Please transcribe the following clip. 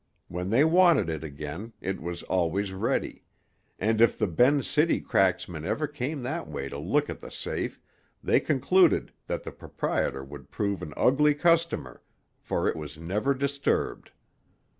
When they wanted it again, it was always ready; and if the Ben's City cracksmen ever came that way to look at the safe, they concluded that the proprietor would prove an ugly customer, for it was never disturbed.